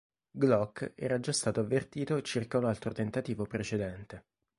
Glock era già stato avvertito circa un altro tentativo precedente.